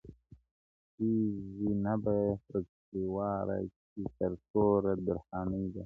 چي زینبه پکښی وراره چي سرتوره درخانۍ ده -